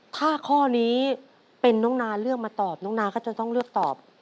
ถ้าข้อนี้เป็นน้องนาเลือกมาตอบน้องนาก็จะต้องเลือกตอบ